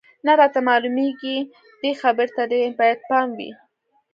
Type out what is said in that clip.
نه راته معلومېږي، دې خبرې ته دې باید پام وي.